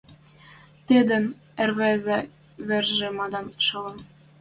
Тӹдӹн ӹрвезӹ вӹржӹ мадын, шолын.